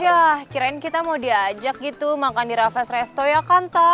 yah kirain kita mau diajak gitu makan di raffles restaurant ya kan ta